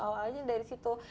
awalnya dari situ